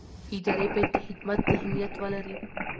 ادارې باید د خدمت ذهنیت ولري